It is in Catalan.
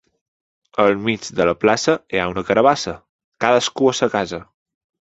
Al mig de la plaça hi ha una carabassa. Cadascú a sa casa.